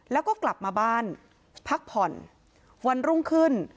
แล้วก็กลับมาบ้านพักผ่อนวันรุ่งขึ้น